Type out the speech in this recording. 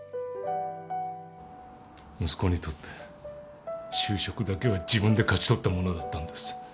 息子にとって就職だけは自分で勝ち取ったものだったんです